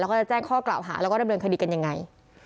แล้วก็จะแจ้งข้อกล่าวหาแล้วก็ดำเนินคดีกันยังไง